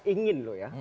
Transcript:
ingin loh ya